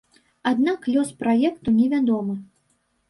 Аднак лёс праекту невядомы.